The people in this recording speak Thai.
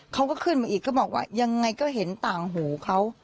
เขาก็ขึ้นมาอีกก็บอกว่ายังไงก็เห็นต่างหูเขา